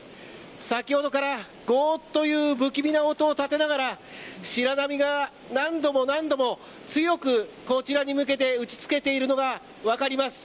先ほどからゴーという不気味な音を立てながら白波が、何度も何度も強く、こちらに向けて打ち付けているのが分かります。